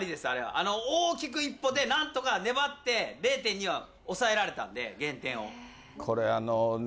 あの大きく一歩でなんとか粘って、０．２は抑えられたんで、これ。